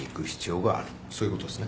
そういうことですね？